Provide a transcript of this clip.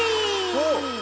おっ！